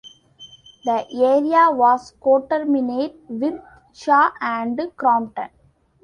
The area was coterminate with Shaw and Crompton.